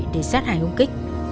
để sát hại ông kích